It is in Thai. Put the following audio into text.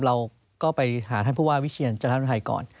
เราก็ไปหาท่านผู้ว่าวิเชียรจันทัยก่อน